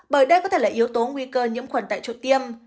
bởi đây có thể là yếu tố nguy cơ nhiễm khuẩn tại chỗ tiêm